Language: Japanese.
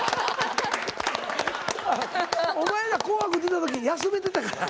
あお前ら「紅白」出た時休めてたから。